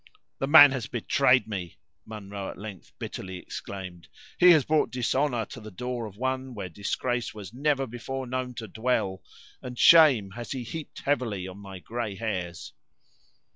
"The man has betrayed me!" Munro at length bitterly exclaimed; "he has brought dishonor to the door of one where disgrace was never before known to dwell, and shame has he heaped heavily on my gray hairs."